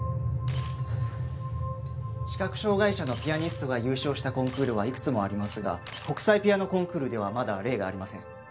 視覚障害者のピアニストが優勝したコンクールはいくつもありますが国際ピアノコンクールではまだ例がありません。